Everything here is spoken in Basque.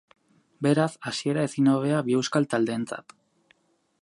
Beraz, hasiera ezin hobea bi euskal taldeentzat.